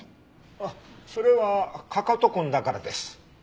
あっそれはかかと痕だからです。